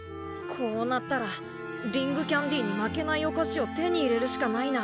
こうなったらリング・キャンディに負けないお菓子を手に入れるしかないな。